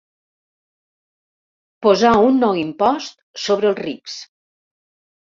Posar un nou impost sobre els rics.